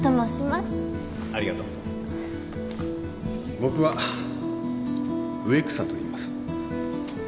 僕は植草といいます。